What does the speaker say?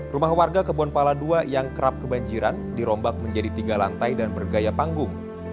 rumah warga kebon pala ii yang kerap kebanjiran dirombak menjadi tiga lantai dan bergaya panggung